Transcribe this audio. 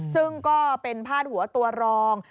ซึ่งก็เป็นพาดหัวตัวรอง